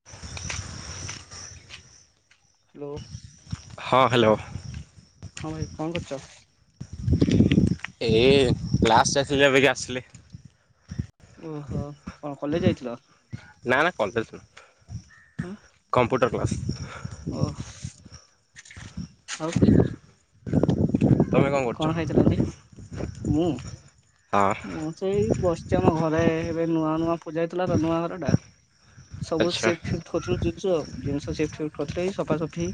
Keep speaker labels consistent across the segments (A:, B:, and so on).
A: [unintelligible]
B: Hello
A: ହଁ hello.
B: ହଁ ଭାଇ କଣ୍ କରୁଚ?
A: ଏଇ କ୍ଳାସ୍ ଯାଇଥିଲି ଯେ ଅବିକା ଆସିଲି।
B: ଓହୋ କଣ କଲେଜ ଯାଇଥିଲ?
A: ନା ନା କଲେଜ୍ ନୁହୁଁ, କମ୍ପୁଟର୍ କ୍ଲାସ୍।
B: ଓହ୍--ହ୍
A: ତମେ କରୁଛ?
B: କଣ ଖଇଥିଲା ଆଜି ମୁଁ?
A: ହଁ।
B: ମୁଁ ସେଇ ବସିଚି ଆମ ଘରେ ଏବେ ନୂଆ ନୂଆ ପୂଜା ହେଇଥିଲା ତ ନୂଆ ଘର ଟା। ସବୁ
A: ଆଚ୍ଛା
B: ସିଫ୍ଟ ଫିଫ୍ଟ ହଉଥିଲ ଜିନିଷ ଜିନିଷ ସିଫ୍ଟ ଫିପ୍ଟ କରିଥିଲୁ ଏଇ ସଫାସଫି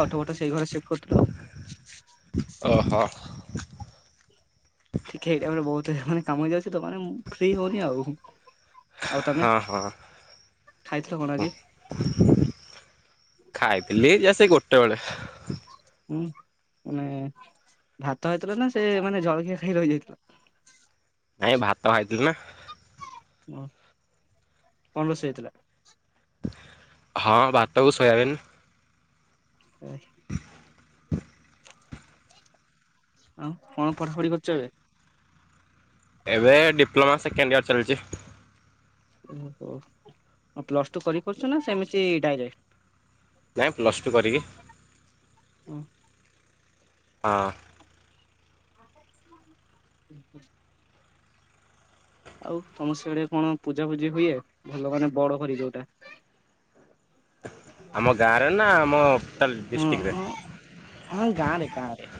B: ଖଟଫଟ ସେଇ ଘରେ ସିଫ୍ଟ କରୁଥିଲୁ ଆଉ।
A: ଓହ।
B: ଠିକେ ଏଇଟାଇମରେ ବହୁତ୍ ହେ-ମାନେ କାମ ହେଇଯାଉଚି ତ ମାନେ ମୁଁ ଫ୍ରି ହଉନି ଆଉ। ଆଉ ତମେ
A: ହଁ
B: ଖାଇଥିଲ କଣ
A: ହଁଁ।
B: ଆଜି?
A: ଖାଇଥିଲି ଯହା ସେ ଗୋଟେବେଳେ।
B: ହୁଁ ମାନେ ଭାତ ହେଇଥିଲା ନା ସେ ମାନେ ଜଳଖିଆ ଖାଇ ରହିଯାଇଥିଲ?
A: ନାଇଁ ଭାତ ଖାଇଥିଲି ନା।
B: ଓଃ କଣ ରୋଷେଇ ହେଇଥିଲା?
A: ହଁ ଭାତ କୁ ଶୋୟାବିନ୍।
B: [inaudible]
A: [unintelligible]
B: ଆଉ କଣ ପଠଢାପଢି କରୁଚ ଏବେ?
A: ଏବେ ଡିପ୍ଲୋମା ସେକେଣ୍ଡ୍ ଇୟର ଚାଲିଚି।
B: ଓହୋ ଆଉ ପ୍ଲସ ଟୁ କରିକି କରୁଚ ନା ସେମିତି ଡାଇରେକ୍ଟ?
A: ନାଇଁ ପ୍ଲସ୍ ଟୁ କରିକି। ହଁ।
B: ହଁ ଆଉ ତମ ସେଆଡେ କଣ ପୂଜା ପଜି ହୁଏ ଭଲ ମାନେ ବଡ କରି ଯୋଉଟା? [unintelligible]
A: ଆମ ଗାଁରେ ନା ଆମ ଟୋଟାଲ
B: ହଁ
A: ଡିଷ୍ଟିକରେ?
B: ହଁ ହଁ ଗାଁରେ କାଁରେ।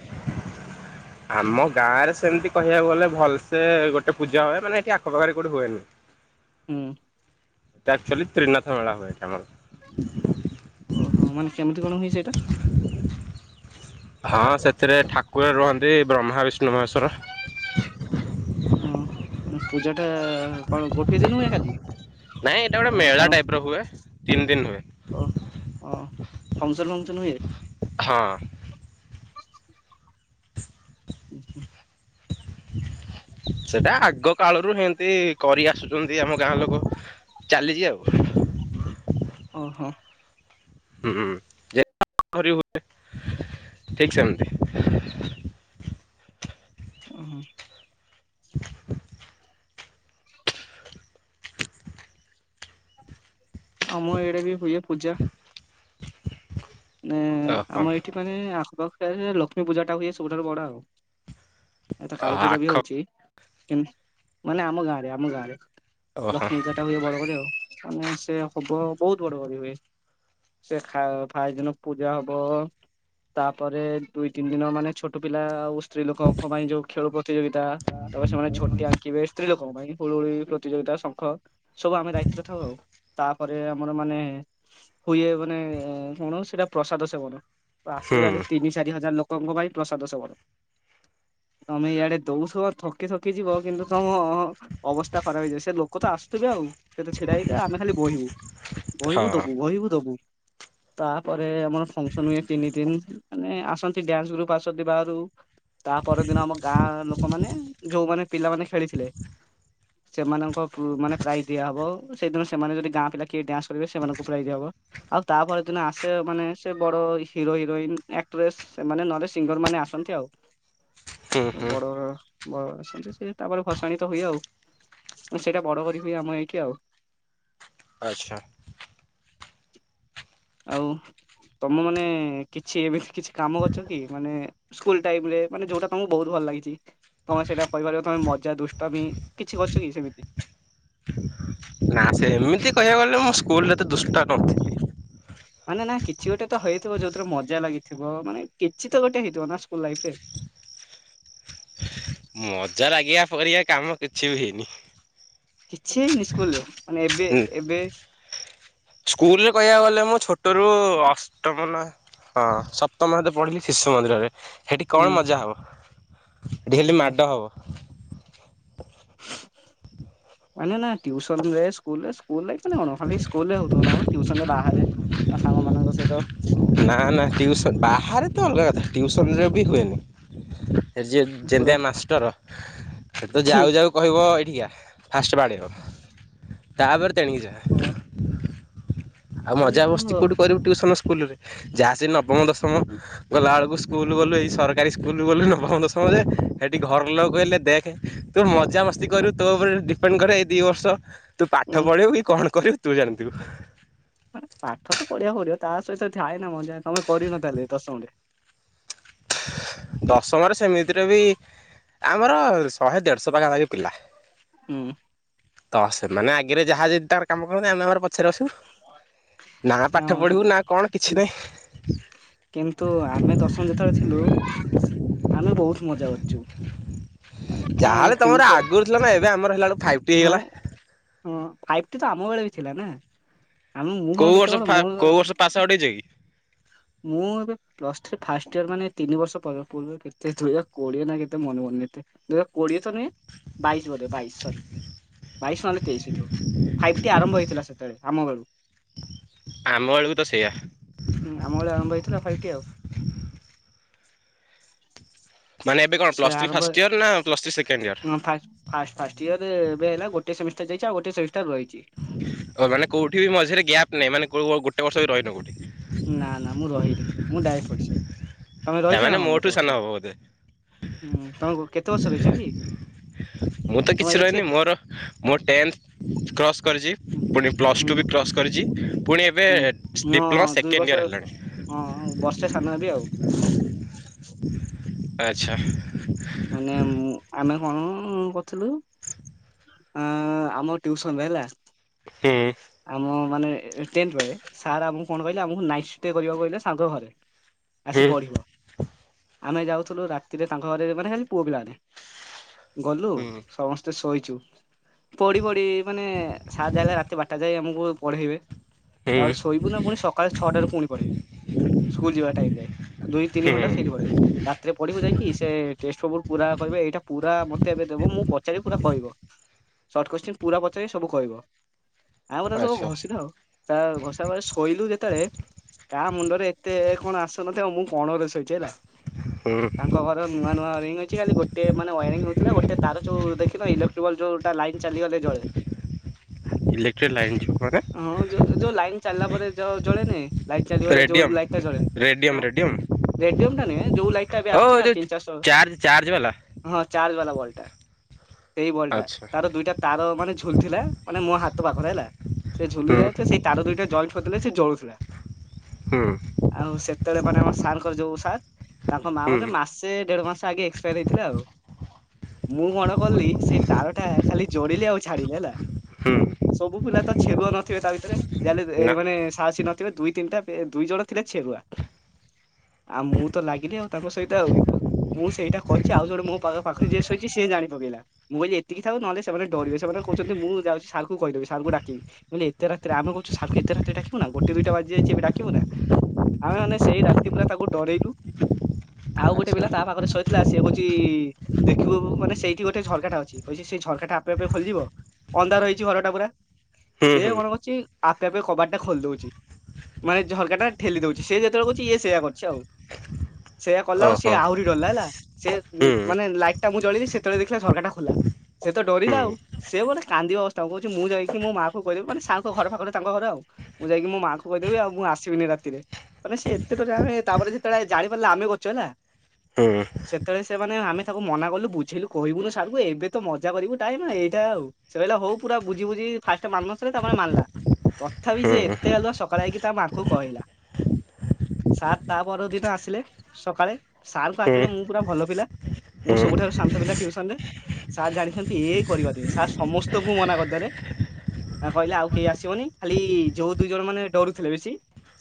A: ଆମ ଗାଁ ରେ ସେମିତି କହିବାକୁ ଗଲେ ଭଲସେ ଗୋଟେ ପୂଜା ହୁଏ ମାନେ ଏଠି ଆଖ ପାଖରେ କୋଉଠି ହୁଏନି।
B: ହୁଁ।
A: ଏଠେ ଅକ୍ଚୁଆଲି ତ୍ରିନାଥ ମେଳା ହୁଏ ଏଠେ ଆମର।
B: ଓହୋ ମାନେ କେମିତି କଣ ହୁଏ ସେଇଟା?
A: ହଁ ସେଥିରେ ଠାକୁର ରୁହନ୍ତି ବ୍ରହ୍ମା ବିଷ୍ଣୁ ମହେଶ୍ଵର।
B: ଉହୁଁ ମାନେ ପୂଜା ଟା କଣ ଗୋଟିଏ ଦିନ ହୁଏ ଖାଲି?
A: ନାଇଁ ଏଇଟା ଗୋଟେ
B: ନା
A: ମେଳା
B: କଣ
A: ଟାଇପ ର ହୁଏ ତିନି ଦିନି ହୁଏ।
B: ଫଙ୍କସନ୍ ଫଙ୍କସନ୍ ହୁଏ?
A: ହଁ।
B: ଉଁ ହୁଁ।
A: [unintelligible] ସେଟା ଆଗ କାଳରୁ ହେନ୍ତି କରି ଆସୁଛନ୍ତି ଆମ ଗାଁ ଲୋକ ଚାଲିଚି ଆଉ। ହ।
B: ଓହୋ।
A: [inaudible] ଠିକ୍ ସେମତି।
B: ଉଁହୁ।
A: [unintelligible]
B: ଆମ ଇଆଡେ ବି ହୁଏ ପୂଜା। ନେ
A: ଓହୋ
B: ଆମ ଏଠି ମାନେ ଆଖପାଖରେ ଲକ୍ଷ୍ମୀ ପୂଜା ଟା ହୁଏ ସବୁଠାରୁ ବଡ ଆଉ। ଏ ତ କାଳୀ ପୂଜା ବି
A: ଆଖ
B: ହଉଛି କିନ୍ ମାନେ ଆମ ଗାଁରେ ଆମ ଗାଁରେ।
A: ଓହୋ
B: ଲକ୍ଷ୍ମୀ ପୂଜା ଟା ହୁଏ ବଡ଼ ଘରେ ଆଉ। ମାନେ ସେ ହବ ବହୁତ ବଡ କରି ହୁଏ ସେ ଖା ପ୍ରାୟେ ଦିନ ପୂଜା ହବ। ତାପରେ ଦୁଇ ତିନି ଦିନ ମାନେ ଛୋଟ ପିଲା ଆଉ ସ୍ତ୍ରୀ ଲୋକଙ୍କ ପାଇଁ ଯୋଉ। ଖେଳୁ ପ୍ରତିଯୋଗିତା ତାପରେ ସେମାନେ ଝୋଟି ଆଙ୍କିବେ ସ୍ତ୍ରୀ ଲୋକଙ୍କ ପାଇଁ ହୁଳୁ ହୁଳି ପ୍ରତିଯୋଗିତା ଶଙ୍ଖ। ସବୁ ଆମେ ଦାୟିତ୍ୱରେ ଥାଉ ଆଉ ତାପରେ ଆମର ମାନେ ହୁଏ ମାନେ। କଣ ସେଇଟା ପ୍ରସାଦ ସେବନ
A: ହୁଁ
B: ଆସିବେ ଇଆଡ଼େ ତିନି ଚାରି ହଜାର ଲୋକଙ୍କ ପାଇଁ ପ୍ରସାଦ ସେବନ। ତମେ ଇଆଡେ ଦଉଛ ଥକି ଥକି ଯିବ କିନ୍ତୁ ତମ ଅ ଅବସ୍ଥା ଖରାପ ହେଇଯାଏ ସେ ଲୋକ ତ ଆସୁଥିବେ ଆଉ। ସେ ତ ଛିଡା ହେଇଥେ ଆମେ ଖାଲି ବହିବୁ
A: ହଁ
B: ବହିିବୁ ଦବୁ ବହିିବୁ ଦବୁ। ତାପରେ ଆମର ଫଙ୍କସନ ହୁଏ ତିନି ଦିନ ମାନେ ଆସନ୍ତି ଡ୍ୟାନ୍ସ ଗ୍ରୁପ୍ ଆସନ୍ତି ବାହାରୁ। ତା ପର ଦିନ ଆମ ଗାଁ ଲୋକମାନେ ଯୋଉମାନେ। ପିଲାମାନେ ଖେଳିଥିଲେ ସେମାନଙ୍କ ପୁ ମାନେ ପ୍ରାଇଜ ଦିଆହବ। ସେଦିନ ସେମାନେ ଯଦି ଗାଁ ପିଲା କିଏ ଡ୍ୟାନ୍ସ କରିବେ ସେମାନଙ୍କୁ ପ୍ରାଇ ଦିଆ ହବ ଆଉ ତାପରେ ଦିନ ଆସେ ମାନେ ସେ ବଡ଼ ହିରୋ ହିରୋଇନ ଆକ୍ଟ୍ରେସ୍ ସେମାନେ ନହେଲେ ସିଙ୍ଗର ମାନେ ଆସନ୍ତି ଆଉ।
A: ହୁଁ ହୁଁ
B: ବଡ଼। ବ ସେମିତି ସେ ତାପରେ ଭସାଣି ତ ହୁଏ ଆଉ ସେଇଟା ବଡ କରି ହୁଏ ଆମ ହେଇକି ଆଉ।
A: ଆଚ୍ଛା।
B: ଆଉ ତମ ମାନେ କିଛି ଏମିତି କିଛି କାମ କରିଛ କି ମାନେ। ସ୍କୁଲ ଟାଇମ ରେ ମାନେ ଯୋଉଟା ତମକୁ ବହୁତ ଭଲ ଲାଗିଚି। ତମେ ସେଇଟା କହିପାରିବ ତମେ ମଜା ଦୁଷ୍ଟାମୀ କିଛି କରିଛ କି ସେମିତି।
A: ନା ସେମିତି କହିବାକୁ ଗଲେ ମୁଁ ସ୍କୁଲରେ ତ ଦୁଷ୍ଟା ନ ହଉଥିଲି।
B: ମାନେ ନା କିଛି ଗୋଟେ ତ ହେଇଥିବ ଯୋଉଥିରେ ମଜା ଲାଗିଥିବ ମାନେ କିଛି ତ ଗୋଟେ ହେଇଥିବ ନା ସ୍କୁଲ ଲାଇଫ ରେ।
A: ମଜା ଲାଗିବା ପରିଆ କାମ କିଛି ବି ହେଇନି।
B: କିଛି ହେଇନି ସ୍କୁଲରେ ମାନେ ଏବେ ଏବେ।
A: ସ୍କୁଲ ରେ କହିବାକୁ ଗଲେ ମୋ ଛୋଟରୁ ଅଷ୍ଟମ ନା। ହଁ ସପ୍ତମ ହତ ପଢିଲି ଶିଶୁ ମନ୍ଦିରରେ ହେଠି
B: ହୁଁ
A: କଣ ମଜା ହବ। ଢ଼େଲି
B: ଓହୋ
A: ମାଡ଼ ହବ।
B: ମାନ ନା ଟ୍ୟୁସନ ଯଉ ଯାଏସ୍ ସ୍କୁଲରେ ସ୍କୁଲରେ ମାନେ କଣ ଖାଲି ସ୍କୁଲରେ ହଉଥିବ ନା କଣ ଟିଉସନ ରେ ବାହାରେ ବା ସାଙ୍ଗମାନଙ୍କ ସହିତ।
A: ନା ନା ଟିଉସନ ବାହାରେ ତ ଅଲଗା କଥା ଟିଉସନରେ ବି ହୁଏନି। ଯେ
B: ପୁରା
A: ଯେନତିଆ ମାଷ୍ଟର। ସେତ ଯାଉ ଯାଉ କହିବ ଏଇଠିକିକା ଫାଷ୍ଟ ବାଡେଇବ ତାପରେ ତେଣିକି ଜାହା।
B: ହଁ।
A: ଆଉ ମଜା ବସ୍ତି
B: ତ
A: କୋଉଠି କରିବୁ ଟ୍ୟୁସନ ସ୍କୁଲ ରେ ଯାହା ସେ ନ ମୁଁ ଦଶମ ଗଲାଳ କୁ ସ୍କୁଲ ଗଲୁ ଏଇ ସରକା କାଲି ସ୍କୁଲଗଲୁ ନବମ ଦଶମ ଯାଏ। ଏଠି ଘର ଲୋକକହିଲେ ଦେଖେ। ତୁ ମଜା ମସ୍ତି କରିବୁ ତୋ ଉପରେ ଡିପେଣ୍ଡ କରେ ଏଇ ଦି ବର୍ଷ। ତୁ ପାଠ
B: ଉଁ
A: ପଢେଇବୁ କି କଣ କରିବୁ ତୁ ଜାଣି ଥିବୁ।
B: ପାଠ ତ ପଢ଼ିବାକୁ ପଢିବ ତା ସହିତ ଥାଏ ନା ମଜାଏ ତମେ କରିନତାହେଲେ ଲେ ଦଶମରେ।
A: ଦଶମରେ ସେମିତିରେ ବି ଆମର ଶହେ ଦେଢ଼ଶହ ପାଖାପାଖି ପିଲା।
B: ହୁଁ।
A: ତ ସେ ମାନେ ଆଗରେ ଯାହା ଯେତିକି ତାର କାମ କରନ୍ତି ଆ ଆମର। ପଛରେ ଆସୁ ନା ପାଠ
B: ଆଉ
A: ପଢ଼ିବୁ ନା କଣ କିଛି ନାହିଁ।
B: କିନ୍ତୁ ଆମେ ଦଶମ ଯେତେବେଳେ ଥିଲୁ। ଆମେ ବହୁତ ମଜା କରଚୁ।
A: ଯାହା ହେଲେ ତମର ଆଗରୁ ଥିଲା ନା ଏବେ ଆମର ହେଲା ବେଳ କୁ ଫାଇଭ ଟି ହେଇଗଲା।
B: ହଁ ଫାଇଟି ତ ଆମ ବେଳେ ବି ଥିଲା ନା। ଆମେ ମୁଁ କଣ
A: କୋଉ
B: କେତେ
A: ବର୍ଷ
B: ବଡ
A: ଫା
B: ମୁଁ
A: କୋଉ ବର୍ଷ ପାସ ଆଉଟ ହେଇଚ କି?
B: ମୁଁ ଏବେ। ପ୍ଲସ୍ ଥ୍ରୀ ଫାଷ୍ଟ ଇୟର ମାନେ ତିନି ବର୍ଷ ପୂର୍ରୁ କେତେ ଦୁଇ ହଜ କୋଏ ନା କେତେ ମନେ ପଡୁନି ଏତେ। ଦି ହଜାର କୋଡିଏ ତ ନୁହଁ। ବାଇଶ ବୋଧେ ବାଇଶ ସରି ବାଇଶ ନହେଲେ ତେଇଶ ହେଇଥିବ। ଫାଇପଟି ଆରମ୍ଭ ହେଇଥିଲା ସେତବେଳେ ଆମ ବେଳୁ।
A: ଆମ ବେଳକୁ ତ ସେଇଆ।
B: ହୁ ଆମ ବେଳେ ଆରମ୍ଭ ହେଇଥିଲା ଫାଇଭ ଟି ଆଉ।
A: ମାନ ଏବେ କଣ? ପ୍ଲସ ଥ୍ରୀ ଫାଷ୍ଟ ଇୟର ନା ପ୍ଲସ ଥ୍ରୀ ସେକେ
B: ହ ଫାଷ୍ଟ ଇୟର ଏବେ ହେଲା ଗୋଟେ ସେମିଷ୍ଟାର ଯାଇଚି। ଆଉ ଗୋଟେ ସେମିଷ୍ଟାର ରହିଚି।
A: ମାନେ କୋଉଠି ମଝିରେ ଗ୍ୟାପ୍ ନାହି ମାନେ କୋଉ ଗୋଟେ ବର୍ଷ ବି ରହିନ କଉଠି।
B: ନା ନା ମୁଁ ରହିନି ମୁଁ ଡ୍ୟାରେକ୍ଟ ପଶିଯାଏ। ତମେ ରହିଚ
A: ତାମାନେ
B: ନା କଣ
A: ମୋଠୁ
B: ଗୋଟେ
A: ସାନ
B: ବର୍ଷ?
A: ହବ ବୋଧେ
B: ହଁ ତମକୁ କେତେ ବର୍ଷ ରହିଚ କି?
A: ମୁଁ ତ
B: ତମ
A: କିଛି
B: ଏଜ
A: ରହିନି
B: କେତେ?
A: ମୋର ମୋ ଟେନ୍ଥ କ୍ରସ୍ କରିଚି।
B: ହୁଁ
A: ପୁଣି ପ୍ଲସ୍ ଟୁ ବି
B: ହୁଁ
A: କ୍ରସ୍ କରିଚି। ପୁଣି ଏବେ
B: ହଁ
A: ଡିପ୍ଲୋମା
B: ଦୁଇ
A: ସେକେଣ୍ଡ
B: ବର୍ଷ
A: ଇୟର୍ ହେଲାଣି।
B: ହଁ ବର୍ଷେ ସାନ ହେବି ଆଉ।
A: ଆଚ୍ଛା।
B: ମାନେ ଆମେ କଣ କରିଥିଲୁ? ଅ ଆମ ଟୁଇସନ ରେ ହେଲା।
A: [unintelligible]
B: ଆମ ମାନେ ଟେଣ୍ଠ ବେଳେ ସାର୍ ଆମକୁ କଣ କହିଲେ? ଆମକୁ ନାଇଟ୍ ଷ୍ଟେ କରିବାକୁ କହିଲେ ସାର ଙ୍କ ଘରେ। ଆସେ
A: ହୁଁ
B: ପଢିବ। ଆମେ ଯାଉଥିଲୁ ରାତିରେ ତାଙ୍କ ଘରେ ମାନେ ଖାଲି ପୁଅ ପିଲାମାନେ। ଗଲୁ
A: ହୁଁ
B: ସମସ୍ତେ ଶୋଇଚୁ ପଢି ପଢି ମାନେ ସାର ଯାହା ହେଲା ରାତି ବାର ଆମକୁ ପଢେଇବେ।
A: ହୁଁ।
B: ତାପରେ ଶୋଇବୁ ନା ପୁଣି ସକାଳେ ଛଅଟାରୁ ପୁଣି ପଢେଇବେ। ସ୍କୁଲ ଯିବା ଟାଇମ ରେ ଦୁଇ ତିନି
A: ହୁଁ।
B: ଘଣ୍ଟା ସେଇଠି ପଢେଇବେ। ରାତିରେ ପଢିବୁ ଯାଇକି ସେ ଟେଷ୍ଟ ପୁରା କହିବେ ଏଇଟା ପୁରା ମତେ ଏବେ ଦେବ ମୁଁ ପଚାରି ପୁରା କହିବ। ସର୍ଟ କସଚୀନ ପୁରା ପଚାରିବେ ସବୁ କହିବ ଆମେ ଆରେ ସବୁ
A: ଆଚ୍ଛା।
B: ଘୋଷି ଥାଉ। ତା ଘୋଷା ବରେ ଶୋଇଲୁ ଯେତେବେଳେ କାହା ମୁଣ୍ଡରେ ଏତେ କଣ ଆସିନଥିବ? ମୁଁ କଣ ରେ ଶୋଇ
A: ହୁଁ
B: ତାଙ୍କ ଘର। ର ନୂଆ ନୂଆ ୱରିଙ୍ଗ ହେଇଛି ଗୋଟେ ମାନେ ୱାରରିଙ୍ଗ ହେଉଥିଲା ଗୋଟେ ତାର ଯୋଉ ଦେଖିନ ଇଲେକ୍ଟ୍ରିବଲ ଯୋଉଟା ଲାଇନ୍ ଚାଲିଗଲେ ଜଳେ।
A: ଇଲେକ୍ଟ୍ରିକ ଲାଇନ୍ ଜି ଉପରେ।
B: ହଁ ଯୋଉ ଯୋଉ ଲାଇନ ଚାଲିଲା ପରେ ଜ-ଜଳେନ। ଲାଇଟ ଚାଲିଗଲେ ଯୋଉ
A: ରେଡିୟମ୍
B: ଲାଇଟ ଟା ଚଳେ
A: ରେଡିୟମ୍
B: ହଁ।
A: ରେଡିୟମ୍
B: ରେଡିଅମ୍ ଟା ନୁହେଁ ଯୋଉ ଲାଇଟ ଟା ଏବେ
A: ଓ
B: ଆସଚୁ ନା
A: ଯୋଉ
B: ତିନି ଚାରିଶହ।
A: ଚାର୍ଜ ଚାର୍ଜ ବାଲା
B: ହଁ ଚାର୍ଜ ବାଲା ବଲ୍ ଟା ବଟା ସେଇ ବାଲ୍ ଟା ତାର ଦୁଇଟା। ତାର ମାନେ ଝୁଲ ଥିଲା ମାନେ ମୋ ହାତ ପାଖରେ ହେଲା ସେ ଝୁଲି
A: ହୁଁ
B: ଯାଏ ସେ ତାର ଦୁଇଟା ଜଏଣ୍ଟ କରିଥିଲେ ସେ ଜଳୁଥିଲା।
A: ହୁଁ।
B: ଆଉ ସେତେବେଳେ ମାନେ ଆମ ସାର୍ଙ୍କର ଯୋଉ ସାର୍ ତାଙ୍କ ମା
A: ହୁଁ
B: ମେ ମାସେ ଦେଢ ମାସ ଆଗ ଫ ହେଇଥିଲା ଆଉ ମୁଁ କଣ କଲି ସେ ତାର ଟା ଖାଲି ଯୋଡିଲି ଆଉ ଛାଡିଲି ହେଲା।
A: ହୁଁ
B: ସବୁ ପିଲା ତ ଛେରୁଆ ନଥିବେ ତା ଭିତରେ ଯାହାେଲେ ଏ
A: ନା
B: ମାନେ ସାହସୀ ନ ଦୁଇ ତିନିଟା ଦୁଇ ଜଣ ଥିଲା ଛେରୁଆ। ଆଉ ମୁଁ ତ ଲାଗିଲି ଆଉ ତାଙ୍କ ସହିତ ଆଉ। ମୁଁ ସେଇଟା କରିଛି ଆଉ ଜଣେ ମୋ ପା ପାଖରେ ଯିଏ ଶୋଇଛି ସେ ଜାଣି ପକେଇଲା। ମୁଁ କଲି ଏତିକି ଥାଉ ନହେଲେ ସେମାନେ ଡିବ ସେମାନେ କହୁଛନ୍ତି ମୁଁ ଯାଉଛି ମୁଁ କହିଦେବି ସାର୍ଙ୍କୁ ଡାକିବି ମୁଁ କହିଲି ଏତେ ରାତିରେ ଆମକୁ ସାର୍ଙ୍କୁ ଏତେ ରାତିରେ ଡାକିବୁ ନାଁ ଗୋଟେ ଦିଟା ବାଜିଛି ଏବେ ଡାକିବୁ ନାଁ। ଆମେ ମାନେ ସେଇ ରାତି ପୁରା ତାକୁ ଡରେଇଲୁ। ଆଉ ଗୋଟେ
A: ଆଚ୍ଛା।
B: ପିଲା ତା ପାଖରେ ଶୋଇଥିଲା ସିଏ କହୁଛି ଦେଖିବୁ ମାନେ ସେଇଠି ଗୋଟେ ଝରକାଟା ଅଛି କହିଛି ସେ ଝରକାଟା ଆପେ ଆପେ ଖୋଲିଯିବ ଅନ୍ଧାର ହେ ଘର ଟା ପୁରା
A: ହୁଁ
B: ସିଏ
A: ହୁଁ।
B: କଣ ମତେ ଚି। ଆପେ ଆପେ କବାଟଟା ଖୋଲି ଦଉଛି ମାନେ ଝଲକା ଟା ଠେଲି ଦଉଛି ସେ ଯେତେବେଳେ କୁହୁଛି ଇଏ ସେଇୟା କରୁଛି ଆଉ। ସେଇଆ କଲା ଆଉ ସିଏ
A: ଓହୋ।
B: ଆହୁରି। ଡରିଲା ହେଲା ସେ
A: ହୁଁ
B: ମାନେ ଲାଇଟଟା ମୁଁ ଚଳେଇିଲି ସେତେବେଳେ ଦେଖିଲା ଝରକାଟା ଖୋଲା। ସେ ତ
A: ହୁଁ
B: ଡରିଲା ଆଉ ସେ ବୋଧେ କାନ୍ଦିବା ଅବ୍ ତାଙ୍କୁ କହୁଛି ମୁଁ ଯାଇକି ମୋ ମାକୁ କହିବି ମାନେ ସାରଙ୍କ ଘର ପାଖରେ ତାଙ୍କ ଘର ଆଉ। ମୁଁ ଯାଇକି ମୋ ମାଆଙ୍କୁୁ କହିଦେବି ଆଉ ମୁଁ ଆସିବିନି ରାତିରେ। ମାନେ ସେ ଏତେଟ ଆମେ ତାପରେ ଯେତେବେଳେ ଜାଣି ପାରିଲା ଆମେ କରିଛୁ ହେଲା।
A: ହୁଁ।
B: ସେତେବେଳେ ସେମାନେେ ଆମେ ତାକୁ ମନାକଲୁ ବୁଝେଇଲୁ କହିବୁନୁ ସାରକୁୁ ଏବେ ତ ମଜା କରିବୁ ଟାଇମ ଏଇଟା ଆଉ। ସେ କହିଲା ହଉ ପୁରା ବୁଝି ବୁଝି ଫାଷ୍ଟ ମାନୁନଥିଲା ତାପରେ ମାନଲା ତଥାପି ସେ ଏତେ ଗାଲୁଆ ସକାଳେ ଆ- ତା ମାଙ୍କୁ କହିଲା। ସାର୍ ତା ପରଦିନ ଆସିଲେ ସକାଳେ ସାରଙ୍କ
A: ହୁଁ
B: ଆଖିରେ ମୁଁ ପୁରା ଭଲ ପିଲା। ମୁଁ
A: ହୁଁ
B: ସବୁଠାରୁ ଶାନ୍ତ ପିଲା ଟିଉସନରେ ସାର୍ ଜାଣିଛନ୍ତି ଏଇ କରିବନି ସାର୍ ସମସ୍ତଙ୍କୁ ମୁଁ ମନା କରିଦେଲେ କହିଲେ ଆଉ କେହି ଆସିବନି ଖାଲି ଯୋଉ ଦୁଇ ଜଣ ମାନେ ଡରୁଥିଲେ ବେଶୀ।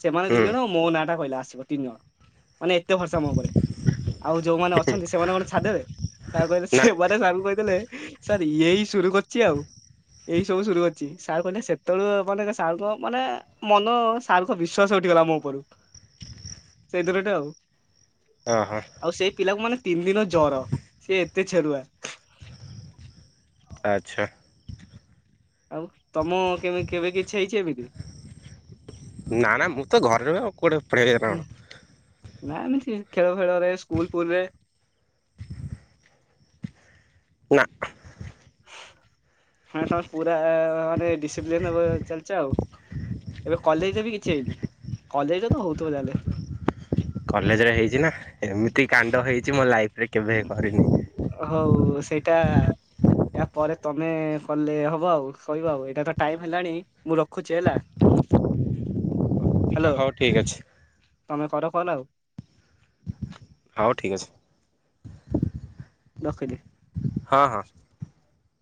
B: ସେମାନେ ଦୁଇ
A: ହୁଁ
B: ଜଣ ମୋ ନାଁଟା କହିଲେ ଆସିବ ତିନି ଜଣ ମାନେ ଏତେ ଭରସା ମୋ ଉପରେ। ଆଉ ଯୋଉମାନେ ଅଛନ୍ତି ସେମାନେ କଣ ଛାଡିଦେବେ। ସାର୍ କହିଲେ
A: ନା
B: ସେମାନେ ସାରଙ୍କୁ କହିଦେଲେ ସାର୍ ଏଇ ସୁରୁ କରିଛି ଆଉ। ଏଇ ସବୁ ସୁରୁ ଅଛି ସାର୍ କହିଲେ ସେତେବେଳୁ ମାନେ ସାରଙ୍କ ମାନେ ମନ ସାରଙ୍କ ବିଶ୍ଵାସ ହଟିଗଲା ମୋ ଉପରୁ ସେଇ ଦିନଠୁ ଆଉ
A: ଅ ହଁ।
B: ଆଉ ସେଇ ପିଲାକୁ ମାନେ ତିନିଦିନ ଜର ସେ ଏତେ ଛେରୁଆ।
A: ଆଚ୍ଛା।
B: ଆଉ ତମ କେ କେବେ କିଛି ହେଇଛି ଏମିତି?
A: ନା ନା ମୁଁ ତ ଘରେ ରହେ ଆଉ [unintelligible] କଣ।
B: ହୁଁ ନା ଏମିତି ଖେଳ ଫେଳରେ ସ୍କୁଲ ଫୁଲ୍ ରେ।
A: ନା।
B: ହଁ ତମେ ପୁରା ମାନେ ଡିସିପ୍ଲିନି ରେ ଚାଲିଚ ଆଉ। ଏବେ କଲେଜରେ ବି କିଛି ହେଇନି କଲେଜରେ ତ ହଉଥିବ ତାହେଲେ।
A: କଲେଜ୍ ରେ ହେଇଚି ନା ଏମିତି କାଣ୍ଡ ହେଇଚି ମୋ ଲାଇଫ୍ ରେ କେବେ କରିନି।
B: ହଉ ସେଇଟା ଇୟା ପରେ ତମେ କଲେ ହବ ଆଉ କହିବ ଆଉ ଏଇଟା ତ ଟାଇମ୍ ହେଲାଣି ମୁଁ ରଖୁଚି ହେଲା।
A: ଆଚ୍ଛା
B: ହ୍ୟାଲୋ
A: ହଉ ଠିକ୍ ଅଛି।
B: ତମେ କର କଲ୍ ଆଉ।
A: ହଉ ଠିକ୍ ଅଛି।
B: ରଖିଲି।
A: ହଁ ହଁ।